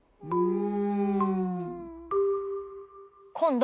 うん！